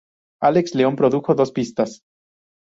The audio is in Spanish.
Alex Leon produjo dos pistas.